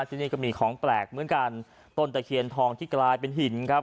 ที่นี่ก็มีของแปลกเหมือนกันต้นตะเคียนทองที่กลายเป็นหินครับ